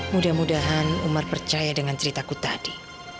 mudah mudahan umar percaya dengan ceritaku tadi